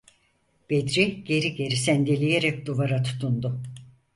Bedri geri geri sendeleyerek duvara tutundu.